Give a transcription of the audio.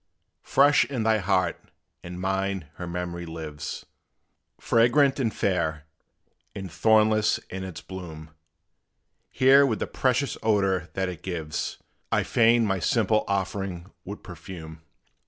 Fresh in thy heart and mine her memory lives, Fragrant and fair, and thornless in its bloom: Here with the precious odor that it gives, I fain my simple offering would perfume.